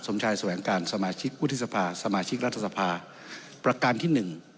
สมชายแสวงการสมาชิกวุฒิสภาสมาชิกรัฐสภาประการที่หนึ่ง